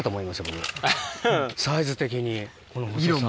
サイズ的にこの細さ。